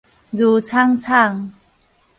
茹藏藏